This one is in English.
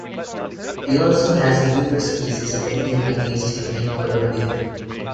He also has numerous cases pending against him in Colombia.